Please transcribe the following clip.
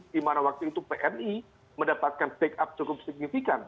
seribu sembilan ratus tujuh puluh satu di mana waktu itu pmi mendapatkan take up cukup signifikan